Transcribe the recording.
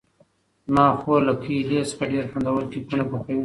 زما خور له کیلې څخه ډېر خوندور کېکونه پخوي.